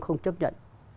không chấp nhận